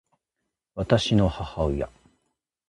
私の母親